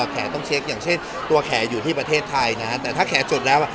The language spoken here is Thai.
แขต้องเช็คอย่างเช่นตัวแขอยู่ที่ประเทศไทยนะฮะแต่ถ้าแขจดแล้ว